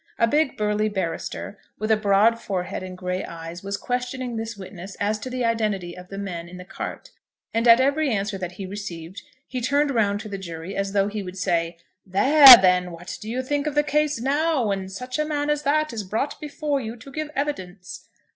A big burly barrister, with a broad forehead and grey eyes, was questioning this witness as to the identity of the men in the cart; and at every answer that he received he turned round to the jury as though he would say "There, then, what do you think of the case now, when such a man as that is brought before you to give evidence?"